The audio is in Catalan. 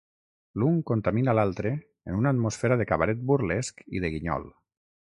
L'un contamina l'altre en una atmosfera de cabaret burlesc i de guinyol.